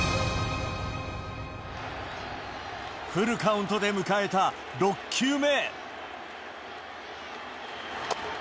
フルカウントで迎えた６球目。